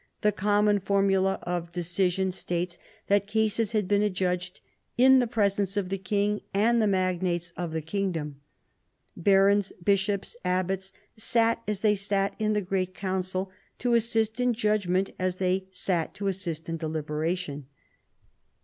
The common formula of decision states that cases had been adjudged "in the presence of the king and the magnates of the kingdom." Barons, bishops, abbats, sat as they sat in the great council, to assist in judgment as they sat to assist in deliberation.